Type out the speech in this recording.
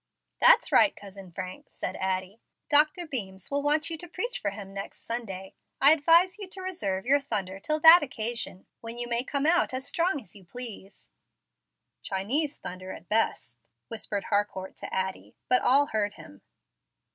"That's right, Cousin Frank," said Addie. "Dr. Beams will want you to preach for him next Sunday. I advise you to reserve your thunder till that occasion, when you may come out as strong as you please." "'Chinese thunder' at best," whispered Harcourt to Addie; but all heard him.